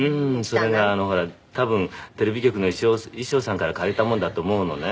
それがほら多分テレビ局の衣装さんから借りたものだと思うのね。